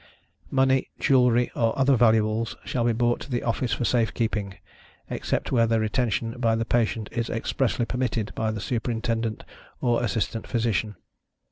Money, jewelry, or other valuables, shall be brought to the office for safe keepingâ€"except where their retention by the patient is expressly permitted by the Superintendent or Assistant Physician.